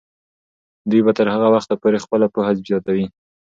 دوی به تر هغه وخته پورې خپله پوهه زیاتوي.